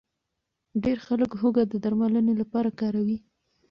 ډېر خلک هوږه د درملنې لپاره کاروي.